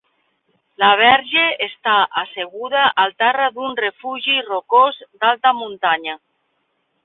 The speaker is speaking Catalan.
La Verge està asseguda al terra d'un refugi rocós d'alta muntanya.